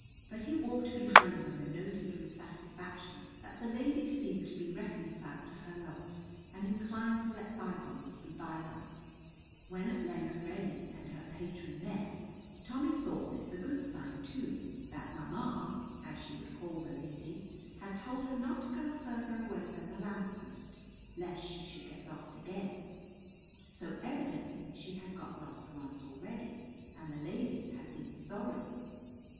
But he walked behind them and noted with satisfaction that the lady seemed to be reconciled to her lot and inclined to let bygones be bygones; when at length Reddy and her patron met, Tommy thought this a good sign too, that Ma ma (as she would call the lady) had told her not to go farther away than the lamp post, lest she should get lost again. So evidently she had got lost once already, and the lady had been sorry.